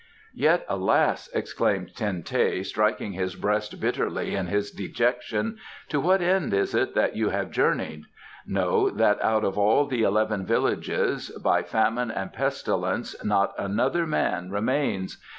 "Yet, alas!" exclaimed Ten teh, striking his breast bitterly in his dejection, "to what end is it that you have journeyed? Know that out of all the eleven villages by famine and pestilence not another man remains.